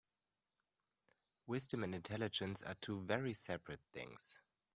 Wisdom and intelligence are two very separate things.